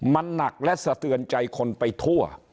มันหนักและสะเทือนใจคนไปทั่ว